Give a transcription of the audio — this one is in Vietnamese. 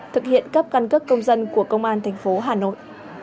thực hiện cấp căn cấp công dân của công an thành phố hà nội